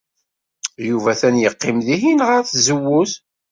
Yuba atan yeqqim dihin, ɣer tzewwut.